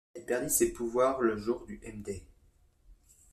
Elle perdit ses pouvoirs le jour du M-Day.